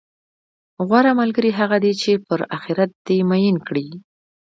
غوره ملګری هغه دی، چې پر اخرت دې میین کړي،